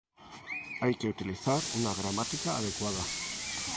hay que utilizar una gramática adecuada